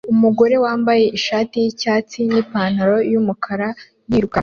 Umugore wambaye ishati yicyatsi nipantaro yumukara yiruka